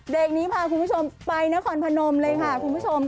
เด็กนี้พาคุณผู้ชมไปนครพนมเลยค่ะคุณผู้ชม